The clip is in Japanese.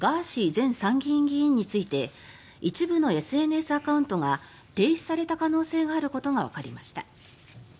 前参議院議員について一部のＳＮＳアカウントが停止された可能性があることがわかりました。